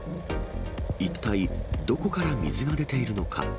一体、どこから水が出ているのか。